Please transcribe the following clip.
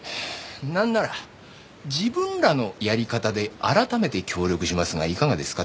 なんなら自分らのやり方で改めて協力しますがいかがですか？